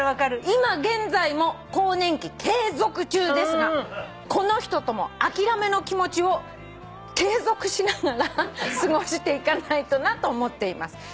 今現在も更年期継続中ですがこの人とも諦めの気持ちを継続しながら過ごしていかないとなと思っています」